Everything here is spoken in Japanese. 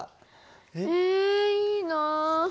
えいいな。